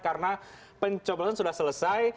karena pencobalan sudah selesai